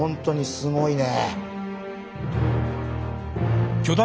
すごいね。